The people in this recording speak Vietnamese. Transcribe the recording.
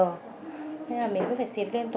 nên là mình cứ phải xịt liên tục